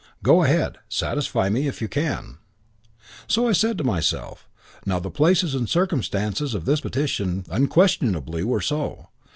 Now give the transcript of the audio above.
Go ahead. Satisfy me if you can.' "So I said to myself: now the places and the circumstances of this petition unquestionably were so.